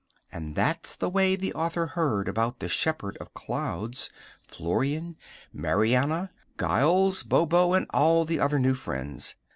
And that's the way the author heard about the Shepherd of Clouds, Florian, Marianna, Giles, Bobo, and all the other new friends.